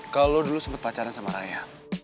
kalau lo dulu sempet pacaran sama raya